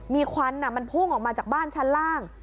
มีควันมันพุ่งออกมาจากบ้านชั้นล่าง